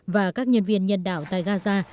và các nhân viên nhân đạo tại gaza